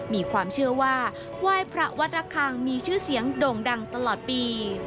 มีความเชื่อว่าไหว้พระวัดระคังมีชื่อเสียงโด่งดังตลอดปี